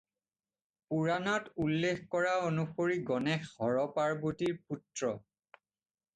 পুৰাণত উল্লেখ কৰা অনুসৰি গণেশ হৰ-পাৰ্বতীৰ পুত্ৰ।